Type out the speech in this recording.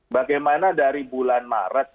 bagaimana dari bulan maret